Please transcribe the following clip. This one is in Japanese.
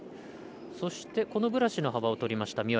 そしてこのブラシの幅を取りました。